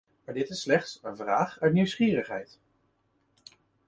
Maar dit is slechts een vraag uit nieuwsgierigheid.